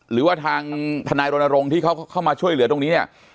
หรือว่าทางทนายรณรงค์ที่เขาเข้ามาช่วยเหลือตรงนี้เนี่ย